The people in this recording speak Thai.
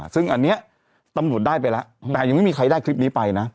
ซึ่งอันนี้ตำรวจได้ไปแล้วแต่ยังไม่มีใครได้คลิปนี้ไปนะ